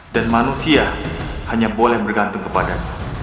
dan manusia hanya boleh bergantung kepadamu